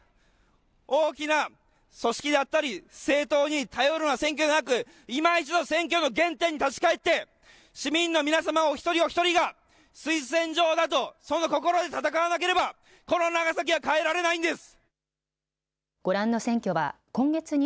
大きな組織だったり政党に頼るような選挙でなくいま一度、選挙の原点に立ち返って市民の皆様お一人お一人が推薦状だと、その心で戦わなければこの長崎は変えられないんです。